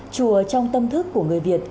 chùa trong tâm thức của người việt